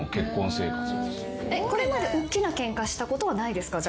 これまでおっきなケンカしたことはないですか？